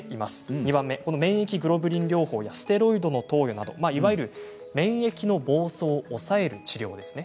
２段目の免疫グロブリン療法やステロイドの投与免疫の暴走を抑える治療ですね。